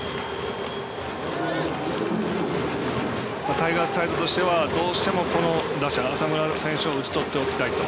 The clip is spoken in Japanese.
タイガースサイドとしてはどうしても浅村選手を打ち取っておきたいと。